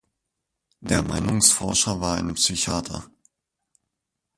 Der Meinungsforscher war ein Psychater.